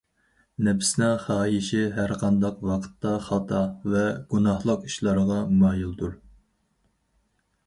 نەپسنىڭ خاھىشى ھەرقانداق ۋاقىتتا خاتا ۋە گۇناھلىق ئىشلارغا مايىلدۇر.